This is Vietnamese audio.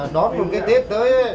đón một cái tết tới